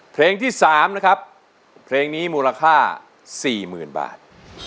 เพลงที่๓นะครับเพลงนี้มูลค่า๔๐๐๐บาท